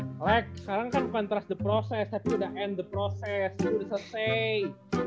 lag sekarang kan bukan trust the process tapi udah end the process udah selesai